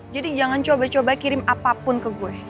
jangan coba coba kirim apapun ke gue